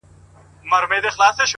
o شاعري سمه ده چي ته غواړې،